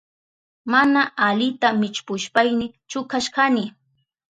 Mana alita millpushpayni chukashkani.